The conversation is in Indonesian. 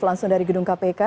langsung dari gedung kpk